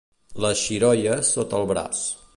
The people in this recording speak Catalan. Les Xiroies sota el braç.